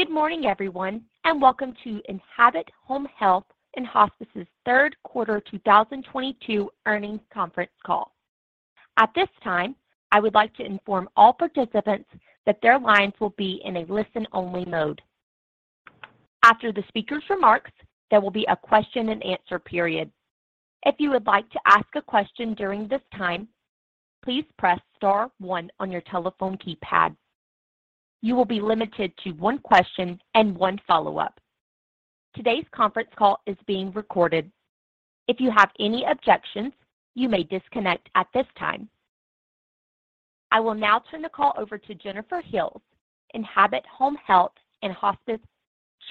Good morning, everyone, and welcome to Enhabit Home Health & Hospice's Q3 2022 Earnings Conference Call. At this time, I would like to inform all participants that their lines will be in a listen-only mode. After the speaker's remarks, there will be a question-and-answer period. If you would like to ask a question during this time, please press star one on your telephone keypad. You will be limited to one question and one follow-up. Today's conference call is being recorded. If you have any objections, you may disconnect at this time. I will now turn the call over to Jennifer Hills, Enhabit Home Health & Hospice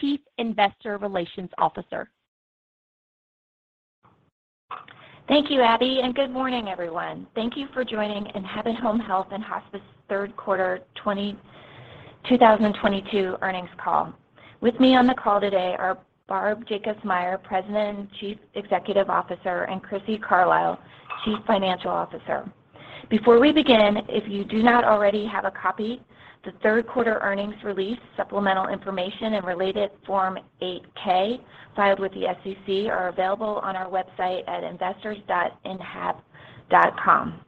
Chief Investor Relations Officer. Thank you, Abby, and good morning, everyone. Thank you for joining Enhabit Home Health & Hospice Q3 2022 Earnings Call. With me on the call today are Barb Jacobsmeyer, President and Chief Executive Officer, and Crissy Carlisle, Chief Financial Officer. Before we begin, if you do not already have a copy, the Q3 earnings release, supplemental information and related Form 8-K filed with the SEC are available on our website at investors.ehab.com.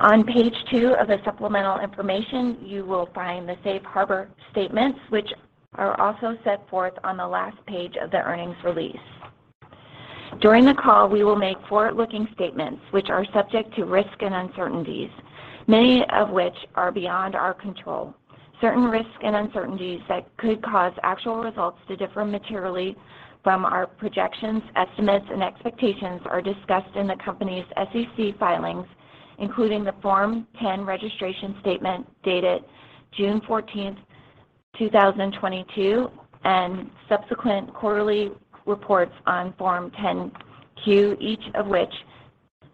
On page two of the supplemental information, you will find the safe harbor statements, which are also set forth on the last page of the earnings release. During the call, we will make forward-looking statements which are subject to risks and uncertainties, many of which are beyond our control. Certain risks and uncertainties that could cause actual results to differ materially from our projections, estimates, and expectations are discussed in the company's SEC filings, including the Form 10 registration statement dated 14 June 2022, and subsequent quarterly reports on Form 10-Q, each of which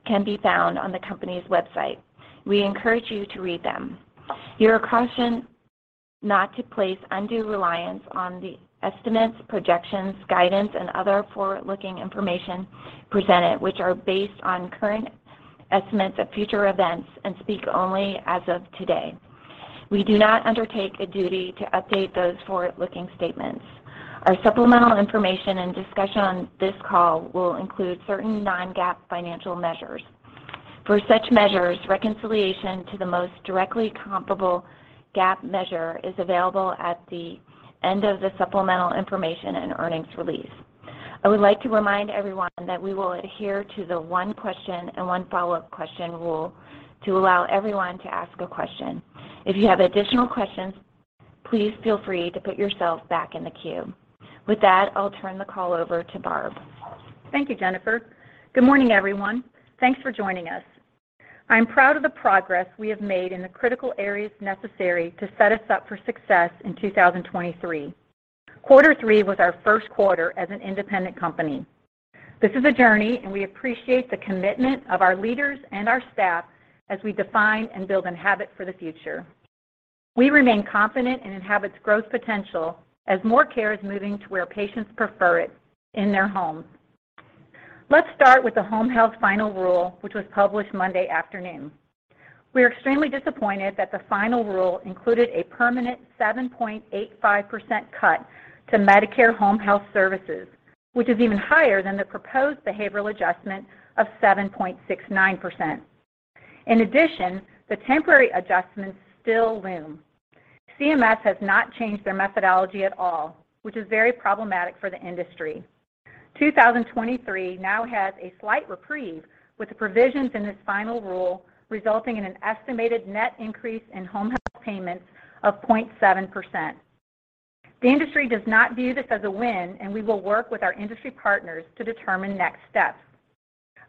can be found on the company's website. We encourage you to read them. You're cautioned not to place undue reliance on the estimates, projections, guidance, and other forward-looking information presented, which are based on current estimates of future events and speak only as of today. We do not undertake a duty to update those forward-looking statements. Our supplemental information and discussion on this call will include certain non-GAAP financial measures. For such measures, reconciliation to the most directly comparable GAAP measure is available at the end of the supplemental information and earnings release. I would like to remind everyone that we will adhere to the one question and one follow-up question rule to allow everyone to ask a question. If you have additional questions, please feel free to put yourself back in the queue. With that, I'll turn the call over to Barb. Thank you, Jennifer. Good morning, everyone. Thanks for joining us. I am proud of the progress we have made in the critical areas necessary to set us up for success in 2023. Quarter three was our Q1 as an independent company. This is a journey, and we appreciate the commitment of our leaders and our staff as we define and build Enhabit for the future. We remain confident in Enhabit's growth potential as more care is moving to where patients prefer it: in their homes. Let's start with the home health final rule, which was published Monday afternoon. We're extremely disappointed that the final rule included a permanent 7.85% cut to Medicare home health services, which is even higher than the proposed behavioral adjustment of 7.69%. In addition, the temporary adjustments still loom. CMS has not changed their methodology at all, which is very problematic for the industry. 2023 now has a slight reprieve with the provisions in this final rule resulting in an estimated net increase in home health payments of 0.7%. The industry does not view this as a win, and we will work with our industry partners to determine next steps.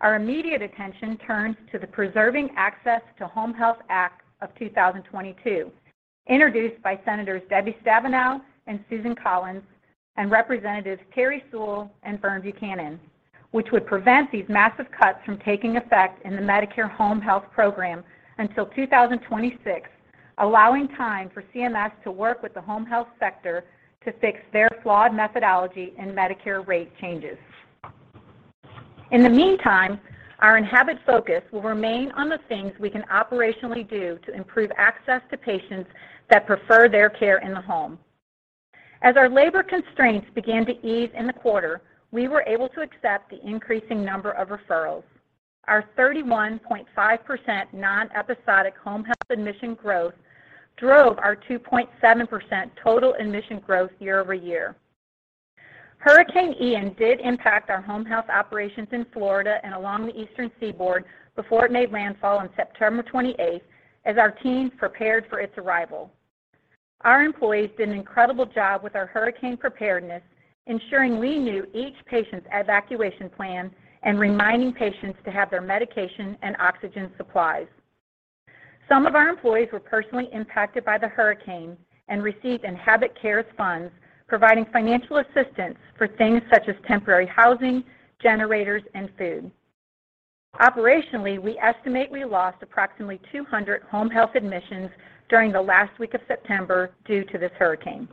Our immediate attention turns to the Preserving Access to Home Health Act of 2022, introduced by Senators Debbie Stabenow and Susan Collins and Representatives Terri Sewell and Vern Buchanan, which would prevent these massive cuts from taking effect in the Medicare home health program until 2026, allowing time for CMS to work with the home health sector to fix their flawed methodology and Medicare rate changes. In the meantime, our Enhabit focus will remain on the things we can operationally do to improve access to patients that prefer their care in the home. As our labor constraints began to ease in the quarter, we were able to accept the increasing number of referrals. Our 31.5% non-episodic home health admission growth drove our 2.7% total admission growth year-over-year. Hurricane Ian did impact our home health operations in Florida and along the eastern seaboard before it made landfall on 28 September as our teams prepared for its arrival. Our employees did an incredible job with our hurricane preparedness, ensuring we knew each patient's evacuation plan and reminding patients to have their medication and oxygen supplies. Some of our employees were personally impacted by the hurricane and received Enhabit Cares funds, providing financial assistance for things such as temporary housing, generators, and food. Operationally, we estimate we lost approximately 200 home health admissions during the last week of September due to this hurricane.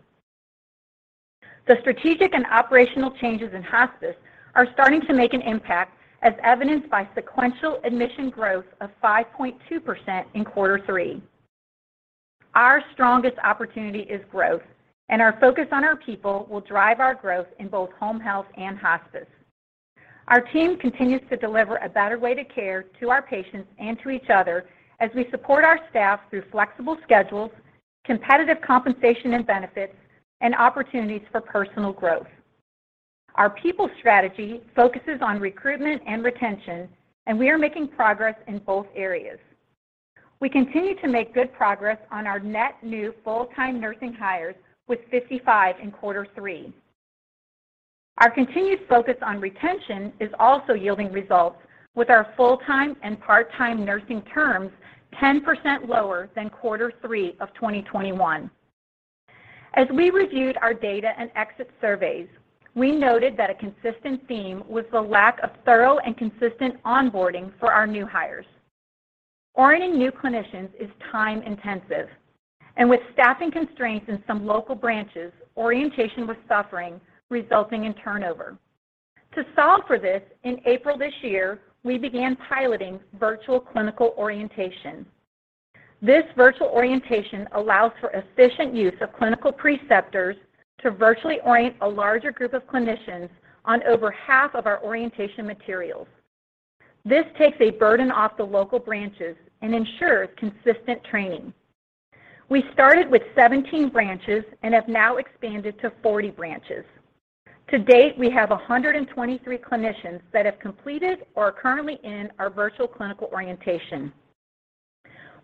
The strategic and operational changes in hospice are starting to make an impact as evidenced by sequential admission growth of 5.2% in quarter three. Our strongest opportunity is growth, and our focus on our people will drive our growth in both home health and hospice. Our team continues to deliver a better way to care to our patients and to each other as we support our staff through flexible schedules, competitive compensation and benefits, and opportunities for personal growth. Our people strategy focuses on recruitment and retention, and we are making progress in both areas. We continue to make good progress on our net new full-time nursing hires with 55 in quarter three. Our continued focus on retention is also yielding results with our full-time and part-time nursing terms 10% lower than quarter three of 2021. As we reviewed our data and exit surveys, we noted that a consistent theme was the lack of thorough and consistent onboarding for our new hires. Orienting new clinicians is time intensive, and with staffing constraints in some local branches, orientation was suffering, resulting in turnover. To solve for this, in April this year, we began piloting virtual clinical orientation. This virtual orientation allows for efficient use of clinical preceptors to virtually orient a larger group of clinicians on over half of our orientation materials. This takes a burden off the local branches and ensures consistent training. We started with 17 branches and have now expanded to 40 branches. To date, we have 123 clinicians that have completed or are currently in our virtual clinical orientation.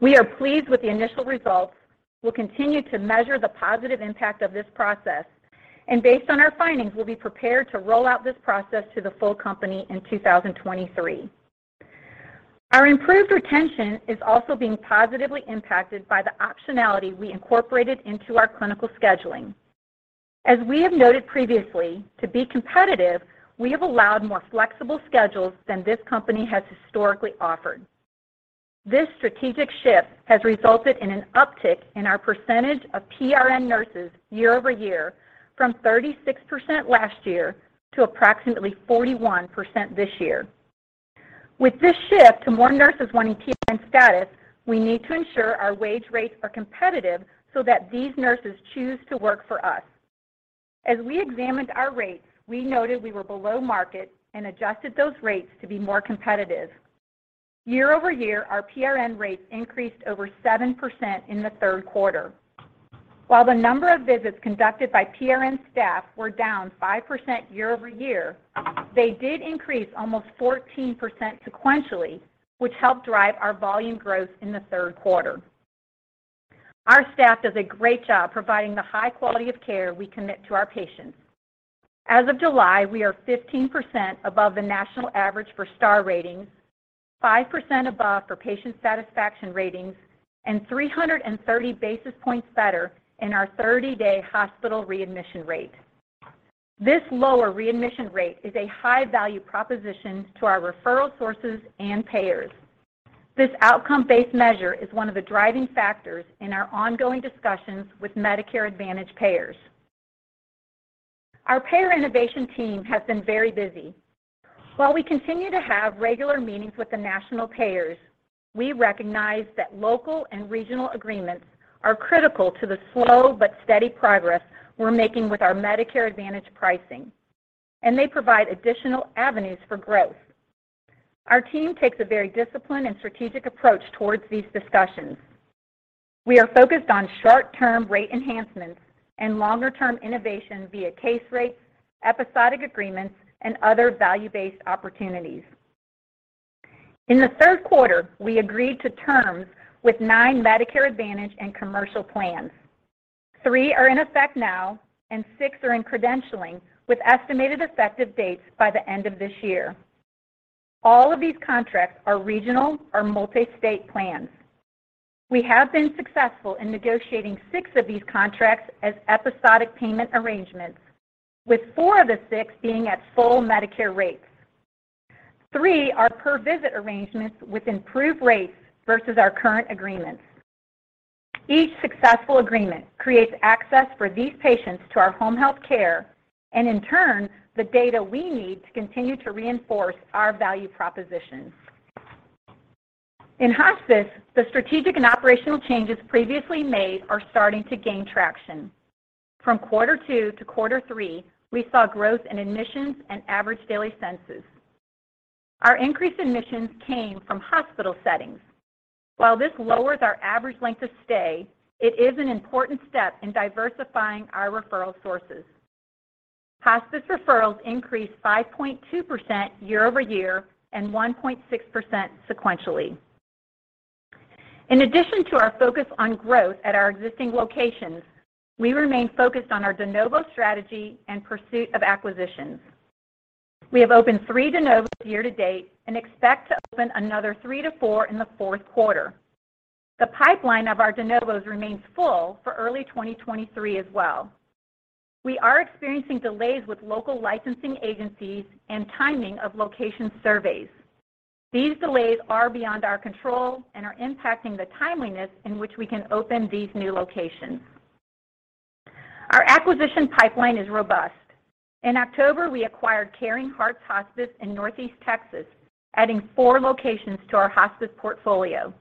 We are pleased with the initial results. We'll continue to measure the positive impact of this process. Based on our findings, we'll be prepared to roll out this process to the full company in 2023. Our improved retention is also being positively impacted by the optionality we incorporated into our clinical scheduling. As we have noted previously, to be competitive, we have allowed more flexible schedules than this company has historically offered. This strategic shift has resulted in an uptick in our percentage of PRN nurses year over year from 36% last year to approximately 41% this year. With this shift to more nurses wanting PRN status, we need to ensure our wage rates are competitive so that these nurses choose to work for us. As we examined our rates, we noted we were below market and adjusted those rates to be more competitive. Year-over-year, our PRN rates increased over 7% in the Q3. While the number of visits conducted by PRN staff were down 5% year-over-year, they did increase almost 14% sequentially, which helped drive our volume growth in the Q3. Our staff does a great job providing the high quality of care we commit to our patients. As of July, we are 15% above the national average for star ratings, 5% above for patient satisfaction ratings, and 330 basis points better in our thirty-day hospital readmission rate. This lower readmission rate is a high-value proposition to our referral sources and payers. This outcome-based measure is one of the driving factors in our ongoing discussions with Medicare Advantage payers. Our payer innovation team has been very busy. While we continue to have regular meetings with the national payers, we recognize that local and regional agreements are critical to the slow but steady progress we're making with our Medicare Advantage pricing, and they provide additional avenues for growth. Our team takes a very disciplined and strategic approach towards these discussions. We are focused on short-term rate enhancements and longer-term innovation via case rates, episodic agreements, and other value-based opportunities. In the Q3, we agreed to terms with nine Medicare Advantage and commercial plans. Three are in effect now and six are in credentialing with estimated effective dates by the end of this year. All of these contracts are regional or multi-state plans. We have been successful in negotiating six of these contracts as episodic payment arrangements, with four of the six being at full Medicare rates. three are per visit arrangements with improved rates versus our current agreements. Each successful agreement creates access for these patients to our home health care and in turn, the data we need to continue to reinforce our value propositions. In hospice, the strategic and operational changes previously made are starting to gain traction. From quarter two to quarter three, we saw growth in admissions and average daily census. Our increased admissions came from hospital settings. While this lowers our average length of stay, it is an important step in diversifying our referral sources. Hospice referrals increased 5.2% year-over-year and 1.6% sequentially. In addition to our focus on growth at our existing locations, we remain focused on our de novo strategy and pursuit of acquisitions. We have opened three de novos year to date and expect to open another three to four in the Q4. The pipeline of our de novos remains full for early 2023 as well. We are experiencing delays with local licensing agencies and timing of location surveys. These delays are beyond our control and are impacting the timeliness in which we can open these new locations. Our acquisition pipeline is robust. In October, we acquired Caring Hearts Hospice in Northeast Texas, adding four locations to our hospice portfolio.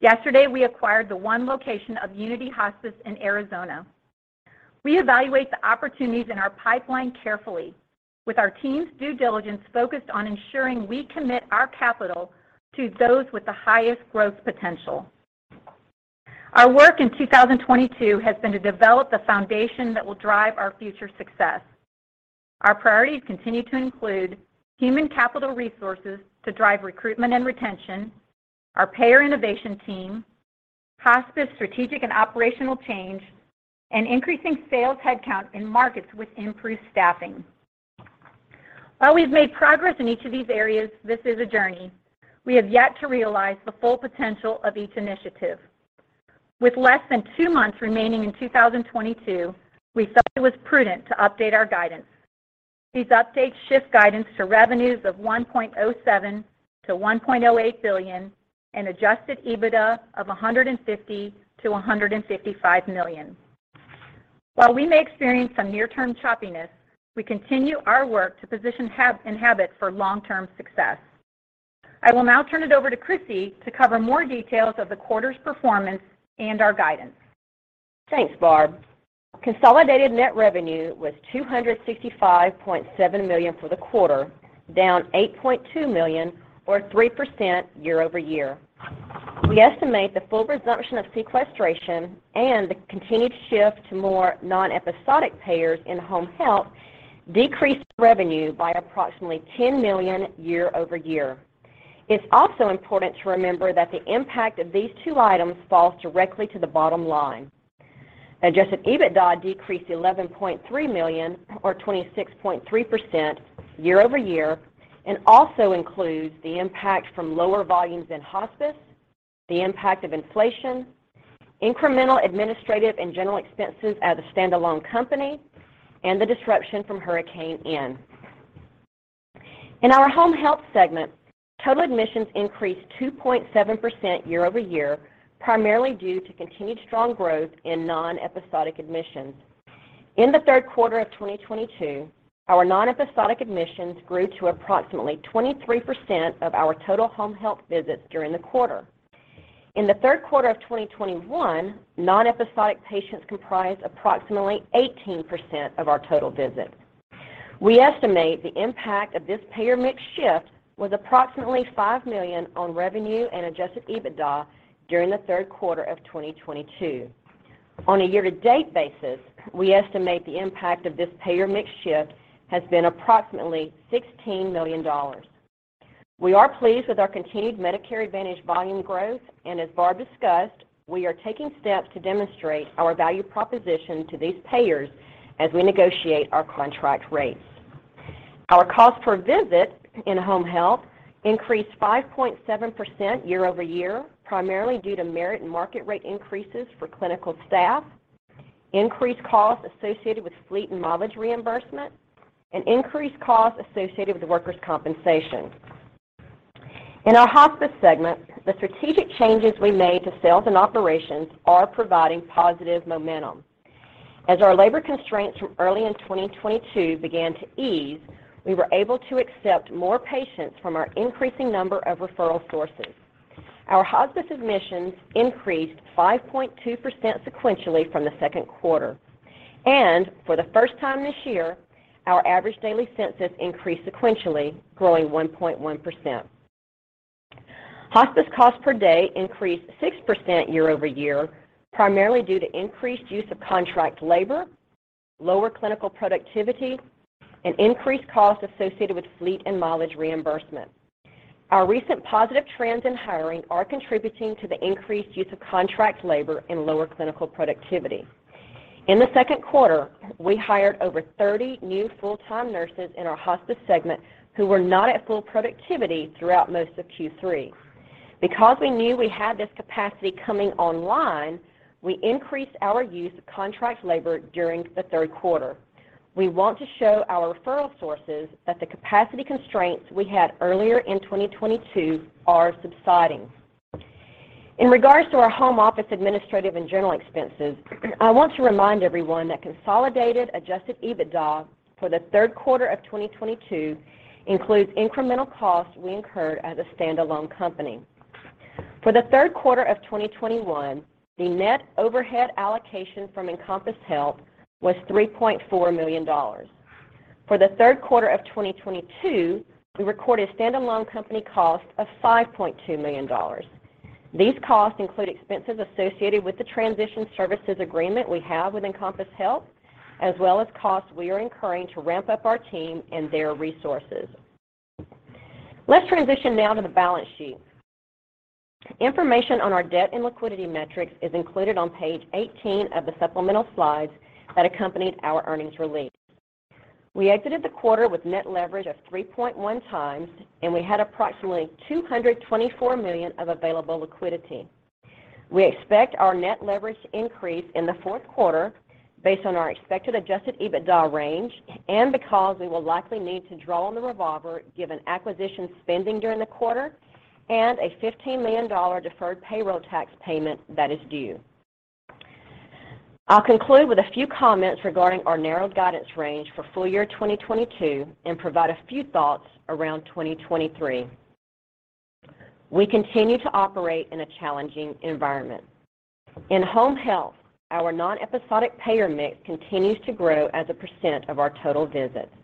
Yesterday, we acquired the one location of Unity Hospice in Arizona. We evaluate the opportunities in our pipeline carefully with our team's due diligence focused on ensuring we commit our capital to those with the highest growth potential. Our work in 2022 has been to develop the foundation that will drive our future success. Our priorities continue to include human capital resources to drive recruitment and retention, our payer innovation team, hospice strategic and operational change, and increasing sales headcount in markets with improved staffing. While we've made progress in each of these areas, this is a journey. We have yet to realize the full potential of each initiative. With less than two months remaining in 2022, we felt it was prudent to update our guidance. These updates shift guidance to revenues of $1.07 to 1.08 billion and adjusted EBITDA of $150 to 155 million. While we may experience some near-term choppiness, we continue our work to position Enhabit for long-term success. I will now turn it over to Crissy to cover more details of the quarter's performance and our guidance. Thanks, Barb. Consolidated net revenue was $265.7 million for the quarter, down $8.2 million or 3% year-over-year. We estimate the full resumption of sequestration and the continued shift to more non-episodic payers in home health decreased revenue by approximately $10 million year-over-year. It's also important to remember that the impact of these two items falls directly to the bottom line. Adjusted EBITDA decreased $11.3 million or 26.3% year-over-year and also includes the impact from lower volumes in hospice, the impact of inflation, incremental administrative and general expenses as a standalone company, and the disruption from Hurricane Ian. In our home health segment, total admissions increased 2.7% year-over-year, primarily due to continued strong growth in non-episodic admissions. In the Q3 of 2022, our non-episodic admissions grew to approximately 23% of our total home health visits during the quarter. In the Q3 of 2021, non-episodic patients comprised approximately 18% of our total visits. We estimate the impact of this payer mix shift was approximately $5 million on revenue and adjusted EBITDA during the Q3 of 2022. On a year-to-date basis, we estimate the impact of this payer mix shift has been approximately $16 million. We are pleased with our continued Medicare Advantage volume growth, and as Barb discussed, we are taking steps to demonstrate our value proposition to these payers as we negotiate our contract rates. Our cost per visit in home health increased 5.7% year-over-year, primarily due to merit and market rate increases for clinical staff, increased costs associated with fleet and mileage reimbursement, and increased costs associated with workers' compensation. In our hospice segment, the strategic changes we made to sales and operations are providing positive momentum. As our labor constraints from early in 2022 began to ease, we were able to accept more patients from our increasing number of referral sources. Our hospice admissions increased 5.2% sequentially from the Q2. For the first time this year, our average daily census increased sequentially, growing 1.1%. Hospice cost per day increased 6% year-over-year, primarily due to increased use of contract labor, lower clinical productivity, and increased costs associated with fleet and mileage reimbursement. Our recent positive trends in hiring are contributing to the increased use of contract labor and lower clinical productivity. In the Q2, we hired over 30 new full-time nurses in our hospice segment who were not at full productivity throughout most of Q3. Because we knew we had this capacity coming online, we increased our use of contract labor during the Q3. We want to show our referral sources that the capacity constraints we had earlier in 2022 are subsiding. In regards to our home office administrative and general expenses, I want to remind everyone that consolidated adjusted EBITDA for the Q3 of 2022 includes incremental costs we incurred as a standalone company. For the Q3 of 2021, the net overhead allocation from Encompass Health was $3.4 million. For the Q3 of 2022, we recorded standalone company cost of $5.2 million. These costs include expenses associated with the transition services agreement we have with Encompass Health, as well as costs we are incurring to ramp up our team and their resources. Let's transition now to the balance sheet. Information on our debt and liquidity metrics is included on page 18 of the supplemental slides that accompanied our earnings release. We exited the quarter with net leverage of 3.1 times, and we had approximately 224 million of available liquidity. We expect our net leverage to increase in the Q4 based on our expected adjusted EBITDA range and because we will likely need to draw on the revolver given acquisition spending during the quarter and a $15 million deferred payroll tax payment that is due. I'll conclude with a few comments regarding our narrowed guidance range for full year 2022 and provide a few thoughts around 2023. We continue to operate in a challenging environment. In home health, our non-episodic payer mix continues to grow as a percent of our total visits.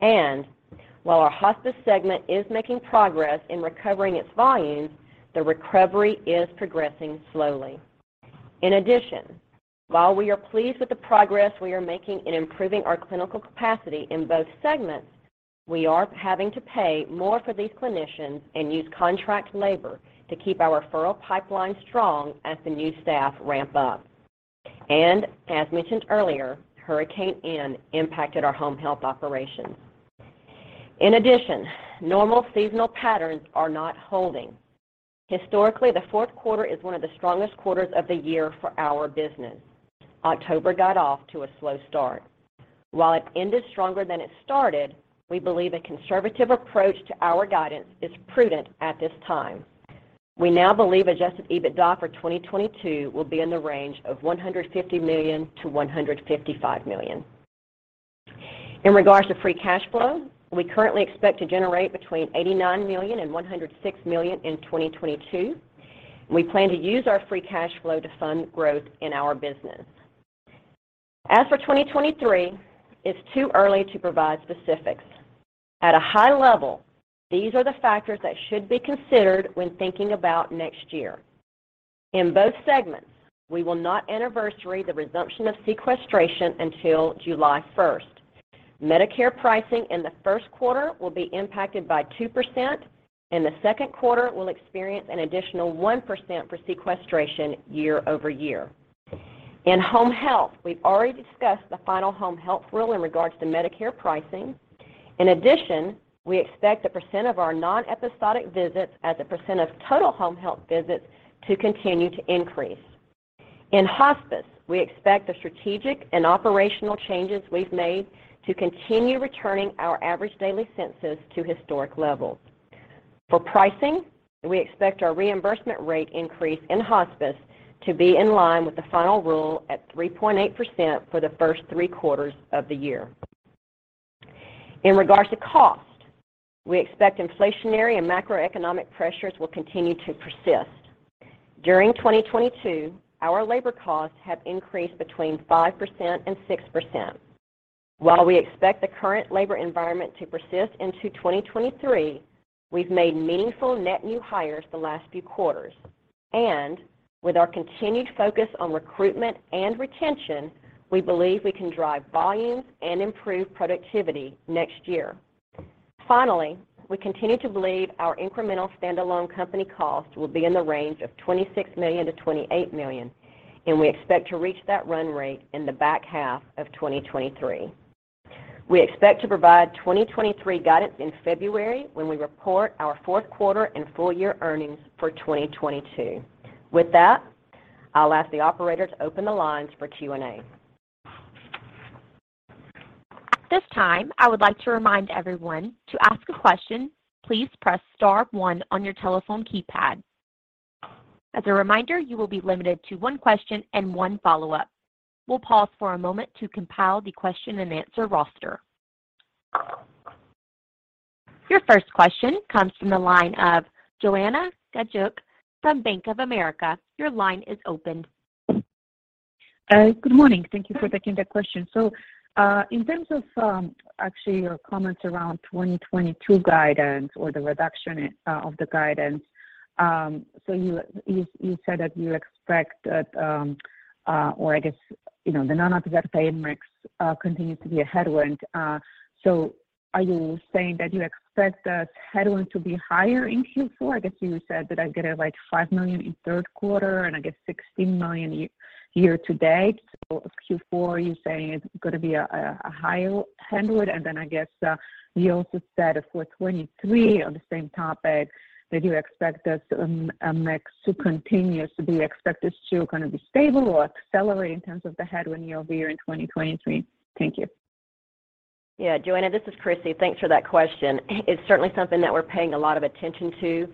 While our hospice segment is making progress in recovering its volumes, the recovery is progressing slowly. In addition, while we are pleased with the progress we are making in improving our clinical capacity in both segments, we are having to pay more for these clinicians and use contract labor to keep our referral pipeline strong as the new staff ramp up. As mentioned earlier, Hurricane Ian impacted our home health operations. In addition, normal seasonal patterns are not holding. Historically, the Q4 is one of the strongest quarters of the year for our business. October got off to a slow start. While it ended stronger than it started, we believe a conservative approach to our guidance is prudent at this time. We now believe adjusted EBITDA for 2022 will be in the range of $150 to 155 million. In regards to free cash flow, we currently expect to generate between $89 to 106 million in 2022. We plan to use our free cash flow to fund growth in our business. As for 2023, it's too early to provide specifics. At a high level, these are the factors that should be considered when thinking about next year. In both segments, we will not anniversary the resumption of sequestration until 1 July first. Medicare pricing in the Q1 will be impacted by 2%. In the Q2, we'll experience an additional 1% for sequestration year-over-year. In home health, we've already discussed the final Home Health Rule in regards to Medicare pricing. In addition, we expect the percent of our non-episodic visits as a percent of total home health visits to continue to increase. In hospice, we expect the strategic and operational changes we've made to continue returning our average daily census to historic levels. For pricing, we expect our reimbursement rate increase in hospice to be in line with the final rule at 3.8% for the first three quarters of the year. In regards to cost, we expect inflationary and macroeconomic pressures will continue to persist. During 2022, our labor costs have increased between 5% and 6%. While we expect the current labor environment to persist into 2023, we've made meaningful net new hires the last few quarters. With our continued focus on recruitment and retention, we believe we can drive volumes and improve productivity next year. Finally, we continue to believe our incremental stand-alone company cost will be in the range of $26 to 28 million, and we expect to reach that run rate in the back half of 2023. We expect to provide 2023 guidance in February when we report our Q4 and full year earnings for 2022. With that, I'll ask the operator to open the lines for Q&A. At this time, I would like to remind everyone to ask a question. Please press star one on your telephone keypad. As a reminder, you will be limited to one question and one follow-up. We'll pause for a moment to compile the question-and-answer roster. Your first question comes from the line of Joanna Gajuk from Bank of America. Your line is open. Good morning. Thank you for taking the question. In terms of actually your comments around 2022 guidance or the reduction of the guidance, you said that you expect that or I guess you know the non-episodic payer mix continues to be a headwind. Are you saying that you expect the headwind to be higher in Q4? I guess you said that it's like $5 million in Q3 and I guess $16 million year to date. Q4, you're saying it's gonna be a higher headwind. Then I guess you also said for 2023 on the same topic that you expect this mix to continue. Do you expect this to kind of be stable or accelerate in terms of the headwind year-over-year in 2023? Thank you. Yeah. Joanna, this is Crissy. Thanks for that question. It's certainly something that we're paying a lot of attention to.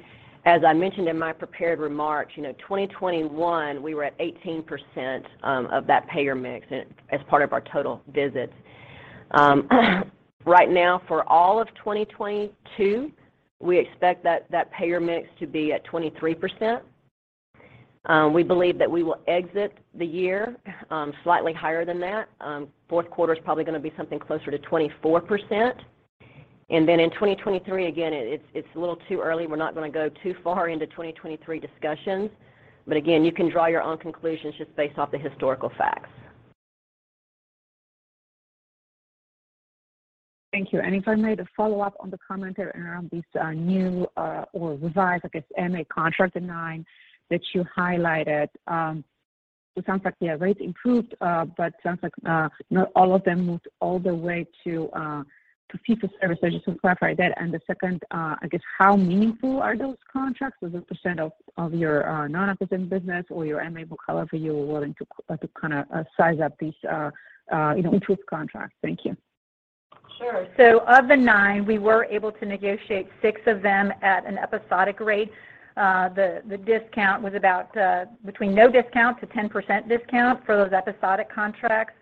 As I mentioned in my prepared remarks, you know, 2021, we were at 18% of that payer mix and as part of our total visits. Right now, for all of 2022, we expect that payer mix to be at 23%. We believe that we will exit the year slightly higher than that. Q4 is probably gonna be something closer to 24%. And then in 2023, again, it's a little too early. We're not gonna go too far into 2023 discussions. Again, you can draw your own conclusions just based off the historical facts. Thank you. If I may, the follow-up on the comment around these new or revised, I guess, MA contract denials that you highlighted. It sounds like the rates improved, but sounds like not all of them moved all the way to fee-for-service. I just want to clarify that. The second, I guess how meaningful are those contracts as a percent of your non-episodic business or your MA book, however you were willing to kind of size up these, you know, improved contracts. Thank you. Sure. Of the nine, we were able to negotiate six of them at an episodic rate. The discount was about between no discount to 10% discount for those episodic contracts.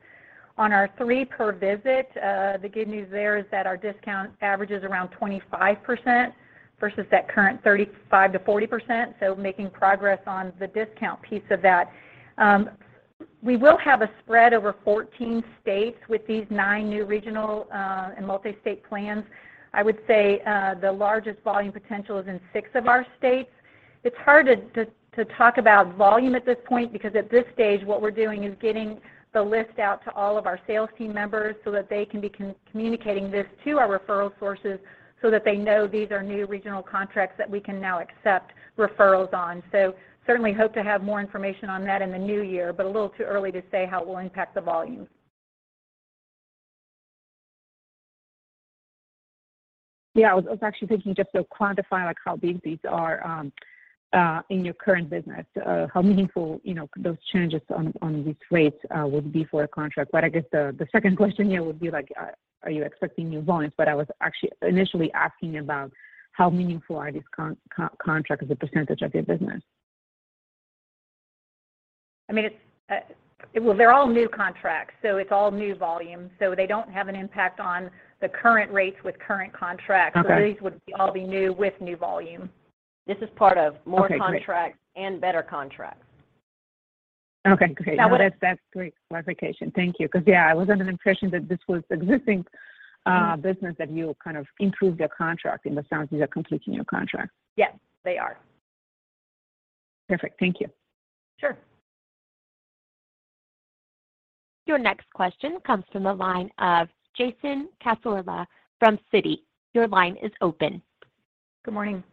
On our three per visit, the good news there is that our discount averages around 25% versus that current 35% to 40%. Making progress on the discount piece of that. We will have a spread over 14 states with these nine new regional and multi-state plans. I would say, the largest volume potential is in six of our states. It's hard to talk about volume at this point because at this stage, what we're doing is getting the list out to all of our sales team members so that they can be communicating this to our referral sources so that they know these are new regional contracts that we can now accept referrals on. Certainly hope to have more information on that in the new year, but a little too early to say how it will impact the volume. Yeah. I was actually thinking just to quantify, like, how big these are in your current business, how meaningful, you know, those changes on these rates would be for a contract. I guess the second question here would be like, are you expecting new volumes? I was actually initially asking about how meaningful are these contracts as a percentage of your business. I mean, it's well, they're all new contracts, so it's all new volume, so they don't have an impact on the current rates with current contracts. Okay. These would all be new with new volume. This is part of- Okay, great. more contracts and better contracts. Okay, great. Now what I- No, that's great clarification. Thank you. 'Cause yeah, I was under the impression that this was existing business that you kind of improved your contract, and it sounds these are completely new contracts. Yes, they are. Perfect. Thank you. Sure. Your next question comes from the line of Jason Cassorla from Citi. Your line is open. Good morning.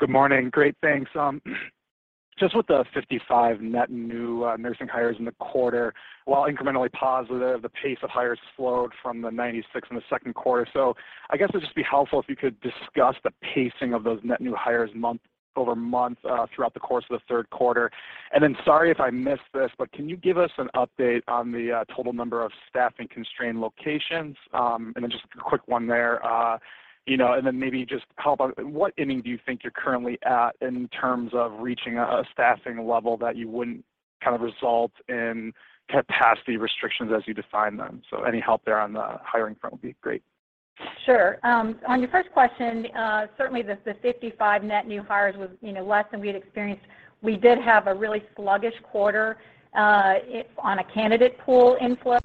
Good morning. Great, thanks. Just with the 55 net new nursing hires in the quarter, while incrementally positive, the pace of hires slowed from the 96 in the Q2. I guess it'd just be helpful if you could discuss the pacing of those net new hires month over month throughout the course of the Q3. Sorry if I missed this, but can you give us an update on the total number of staffing-constrained locations? Just a quick one there, you know, maybe just how about what inning do you think you're currently at in terms of reaching a staffing level that you wouldn't kind of result in capacity restrictions as you define them? Any help there on the hiring front would be great. Sure. On your first question, certainly the 55 net new hires was, you know, less than we had experienced. We did have a really sluggish quarter on a candidate pool inflow,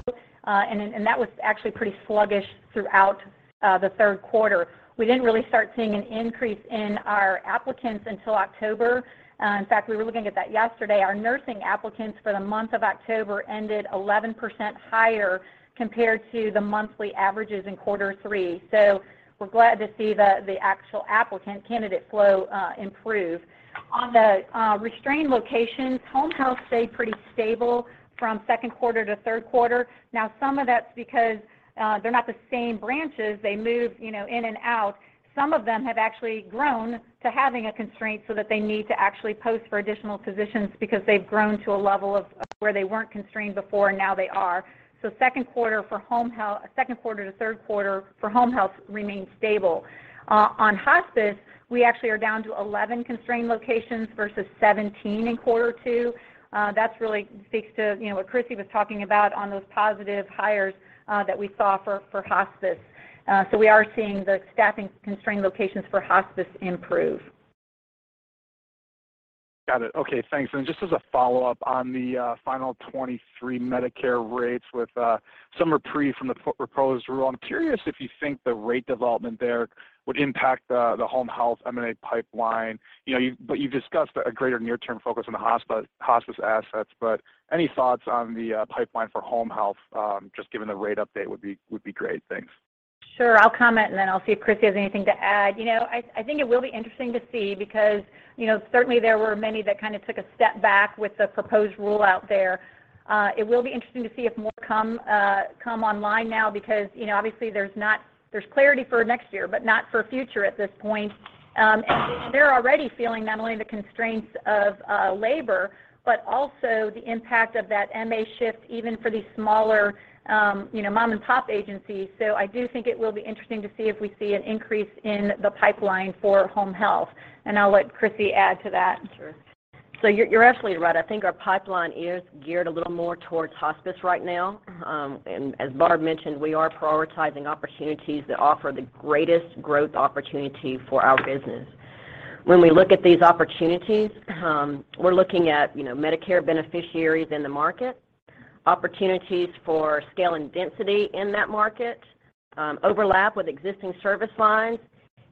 and that was actually pretty sluggish throughout the Q3. We didn't really start seeing an increase in our applicants until October. In fact, we were looking at that yesterday. Our nursing applicants for the month of October ended 11% higher compared to the monthly averages in quarter three. So we're glad to see the actual applicant candidate flow improve. On the restrained locations, home health stayed pretty stable from Q2 to Q3. Now, some of that's because they're not the same branches. They move, you know, in and out. Some of them have actually grown to having a constraint so that they need to actually post for additional positions because they've grown to a level of where they weren't constrained before and now they are. Q2 to Q3 for home health remained stable. On hospice, we actually are down to 11 constrained locations versus 17 in quarter two. That's really speaks to, you know, what Crissy was talking about on those positive hires that we saw for hospice. We are seeing the staffing-constrained locations for hospice improve. Got it. Okay, thanks. Just as a follow-up on the final 2023 Medicare rates with some reprieve from the proposed rule, I'm curious if you think the rate development there would impact the home health M&A pipeline. You know, but you've discussed a greater near-term focus on the hospice assets, but any thoughts on the pipeline for home health just given the rate update would be great. Thanks. Sure. I'll comment, and then I'll see if Crissy has anything to add. You know, I think it will be interesting to see because, you know, certainly there were many that kind of took a step back with the proposed rule out there. It will be interesting to see if more come online now because, you know, obviously there's clarity for next year, but not for future at this point. They're already feeling not only the constraints of labor, but also the impact of that MA shift even for these smaller, you know, mom and pop agencies. I do think it will be interesting to see if we see an increase in the pipeline for home health. I'll let Crissy add to that. Sure. You're absolutely right. I think our pipeline is geared a little more towards hospice right now. As Barb mentioned, we are prioritizing opportunities that offer the greatest growth opportunity for our business. When we look at these opportunities, we're looking at, you know, Medicare beneficiaries in the market, opportunities for scale and density in that market, overlap with existing service lines,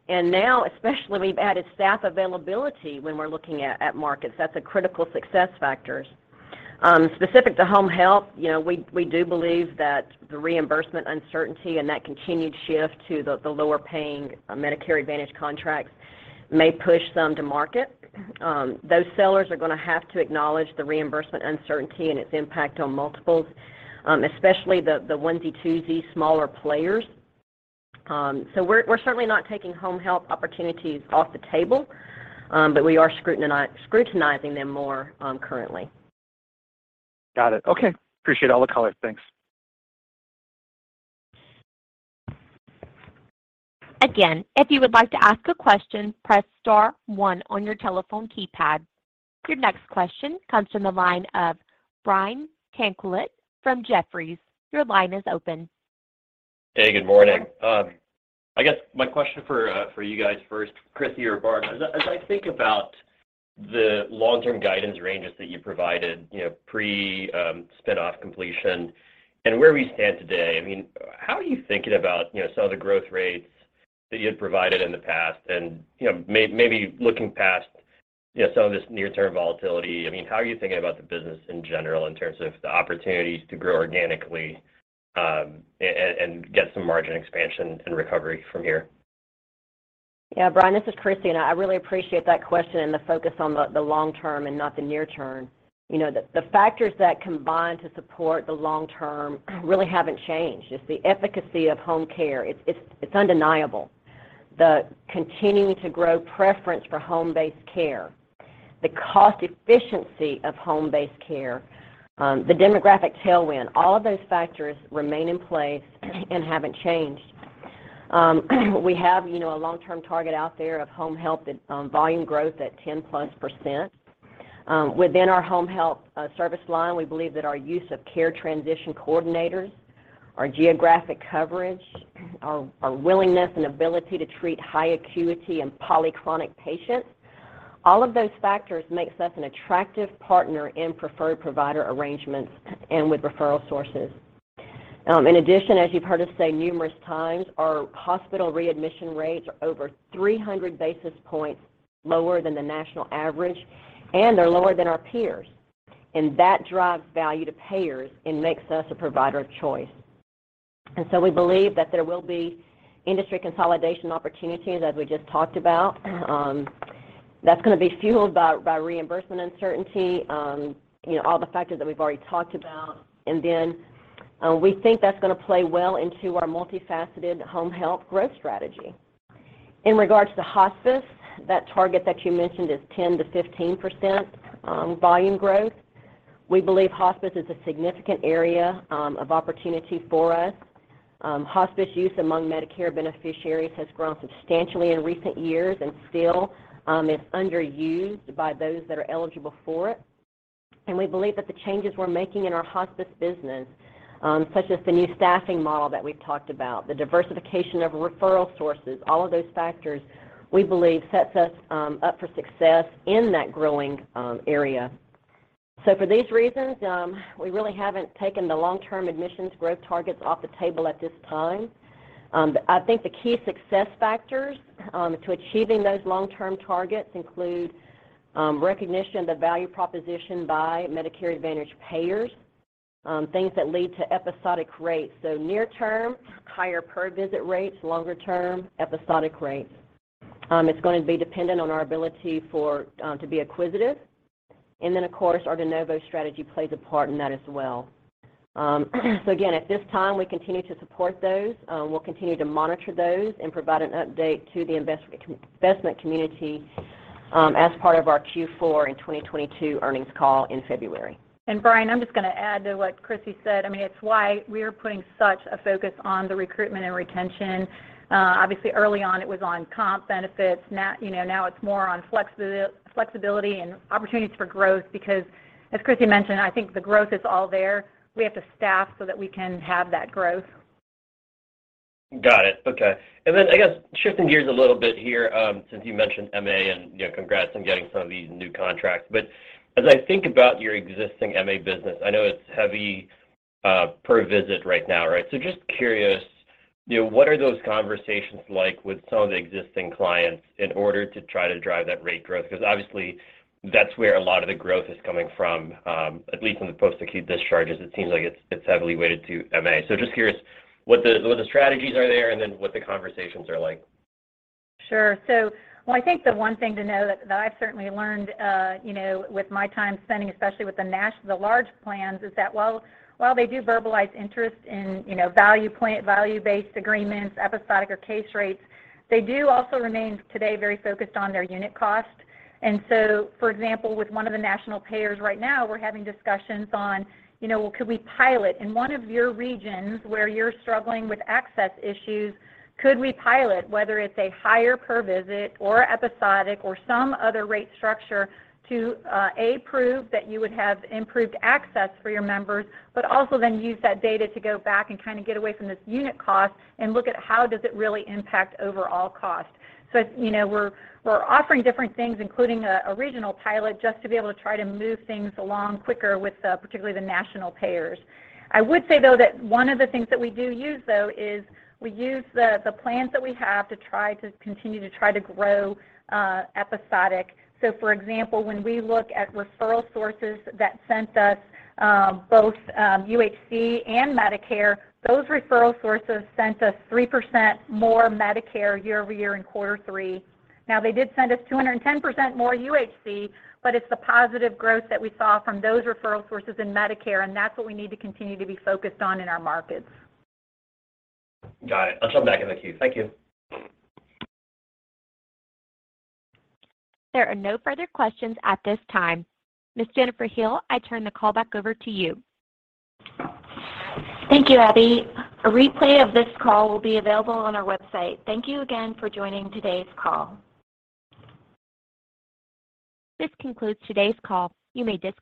and now especially we've added staff availability when we're looking at markets. That's a critical success factors. Specific to home health, you know, we do believe that the reimbursement uncertainty and that continued shift to the lower paying Medicare Advantage contracts may push some to market. Those sellers are gonna have to acknowledge the reimbursement uncertainty and its impact on multiples, especially the onesie-twosie smaller players. We're certainly not taking home health opportunities off the table, but we are scrutinizing them more, currently. Got it. Okay. Appreciate all the color. Thanks. Again, if you would like to ask a question, press star one on your telephone keypad. Your next question comes from the line of Brian Tanquilut from Jefferies. Your line is open. Hey, good morning. I guess my question for you guys first, Crissy or Barb, as I think about the long-term guidance ranges that you provided, you know, pre spin-off completion and where we stand today, I mean, how are you thinking about, you know, some of the growth rates that you had provided in the past and, you know, maybe looking past, you know, some of this near-term volatility? I mean, how are you thinking about the business in general in terms of the opportunities to grow organically, and get some margin expansion and recovery from here? Yeah. Brian, this is Crissy, and I really appreciate that question and the focus on the long term and not the near term. You know, the factors that combine to support the long term really haven't changed. It's the efficacy of home care. It's undeniable. The continuing to grow preference for home-based care, the cost efficiency of home-based care, the demographic tailwind, all of those factors remain in place and haven't changed. We have, you know, a long-term target out there of home health and volume growth at 10%+. Within our home health service line, we believe that our use of care transition coordinators, our geographic coverage, our willingness and ability to treat high acuity and polychronic patients, all of those factors makes us an attractive partner in preferred provider arrangements and with referral sources. In addition, as you've heard us say numerous times, our hospital readmission rates are over 300 basis points lower than the national average, and they're lower than our peers. That drives value to payers and makes us a provider of choice. We believe that there will be industry consolidation opportunities as we just talked about. That's gonna be fueled by reimbursement uncertainty, you know, all the factors that we've already talked about. We think that's gonna play well into our multifaceted home health growth strategy. In regards to hospice, that target that you mentioned is 10% to 15% volume growth. We believe hospice is a significant area of opportunity for us. Hospice use among Medicare beneficiaries has grown substantially in recent years and still is underused by those that are eligible for it. We believe that the changes we're making in our hospice business, such as the new staffing model that we've talked about, the diversification of referral sources, all of those factors, we believe sets us up for success in that growing area. For these reasons, we really haven't taken the long-term admissions growth targets off the table at this time. I think the key success factors to achieving those long-term targets include recognition of the value proposition by Medicare Advantage payers, things that lead to episodic rates. Near term, higher per visit rates, longer term, episodic rates. It's gonna be dependent on our ability for to be acquisitive. Then, of course, our de novo strategy plays a part in that as well. Again, at this time, we continue to support those. We'll continue to monitor those and provide an update to the investment community, as part of our Q4 in 2022 earnings call in February. Brian, I'm just gonna add to what Crissy said. I mean, it's why we're putting such a focus on the recruitment and retention. Obviously, early on, it was on comp benefits. Now, you know, now it's more on flexibility and opportunities for growth because, as Crissy mentioned, I think the growth is all there. We have to staff so that we can have that growth. Got it. Okay. Then I guess shifting gears a little bit here, since you mentioned MA and, you know, congrats on getting some of these new contracts. I think about your existing MA business. I know it's heavy per visit right now, right? Just curious, you know, what are those conversations like with some of the existing clients in order to try to drive that rate growth? Because obviously that's where a lot of the growth is coming from, at least in the post-acute discharges. It seems like it's heavily weighted to MA. Just curious what the strategies are there and then what the conversations are like. Well, I think the one thing to know that I've certainly learned, you know, with my time spending, especially with the large plans is that while they do verbalize interest in, you know, value-based agreements, episodic or case rates, they do also remain today very focused on their unit cost. For example, with one of the national payers right now, we're having discussions on, you know, well, could we pilot in one of your regions where you're struggling with access issues, could we pilot whether it's a higher per visit or episodic or some other rate structure to prove that you would have improved access for your members, but also then use that data to go back and kinda get away from this unit cost and look at how does it really impact overall cost. You know, we're offering different things, including a regional pilot, just to be able to try to move things along quicker with, particularly the national payers. I would say, though, that one of the things that we do use, though, is we use the plans that we have to try to continue to grow episodic. For example, when we look at referral sources that sent us both UnitedHealthcare and Medicare, those referral sources sent us 3% more Medicare year-over-year in quarter three. Now, they did send us 210% more UnitedHealthcare, but it's the positive growth that we saw from those referral sources in Medicare, and that's what we need to continue to be focused on in our markets. Got it. I'll jump back in the queue. Thank you. There are no further questions at this time. Ms. Jennifer Hills, I turn the call back over to you. Thank you, Abby. A replay of this call will be available on our website. Thank you again for joining today's call. This concludes today's call. You may disconnect.